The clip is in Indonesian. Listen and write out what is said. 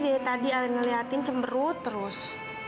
dari tadi alina liatin cemberut terus